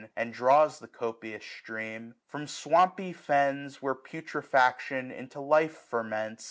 And draws the copious stream : from swampy fens. Where putrefaction into life ferments.